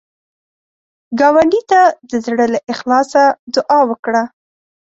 ګاونډي ته د زړه له اخلاص دعا وکړه